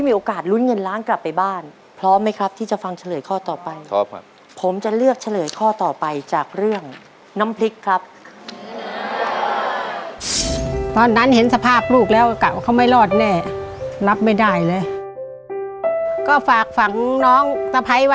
บอกว่าเอาข้าวให้หลานบ้างนะ